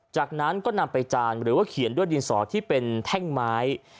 จากนั้นก็นำไปจานหรือว่าเขียนด้วยดินสอที่เป็นแท่งไม้